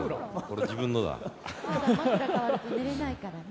枕変わると寝れないからね。